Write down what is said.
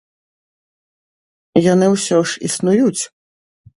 Яны ўсё ж існуюць!?